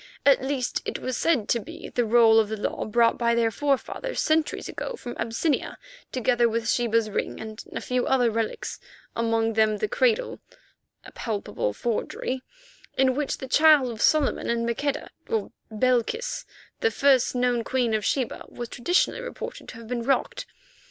At least it was said to be the roll of the law brought by their forefathers centuries ago from Abyssinia, together with Sheba's ring and a few other relics, among them the cradle (a palpable forgery), in which the child of Solomon and Maqueda, or Belchis, the first known Queen of Sheba, was traditionally reported to have been rocked.